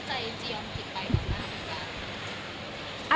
เพราะพี่เป็ดเองเข้าใจจียอนผิดไปก่อนหน้า